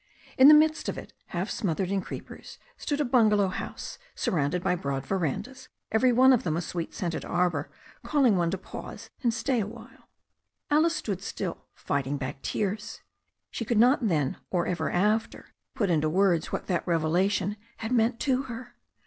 In the midst of it, half smothered in creepers, stood a bungalow house, surrounded by broad verandas, every one of them a sweet scented arbour calling one to pause and stay awhile. Alice stood still, fighting back tears. She could not then or ever after put into words what that revelation had meant to her.